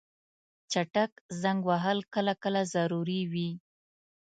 چټک زنګ وهل کله کله ضروري وي.